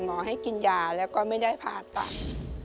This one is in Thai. หมอให้กินยาแล้วก็ไม่ได้ผ่าตัด